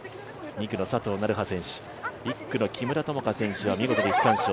２区の佐藤成葉選手、１区の木村友香選手は見事、区間賞。